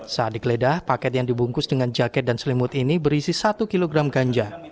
saat digeledah paket yang dibungkus dengan jaket dan selimut ini berisi satu kg ganja